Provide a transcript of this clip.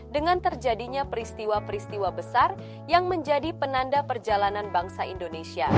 dengan terjadinya peristiwa peristiwa besar yang menjadi penanda perjalanan bangsa indonesia